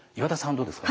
どうですか？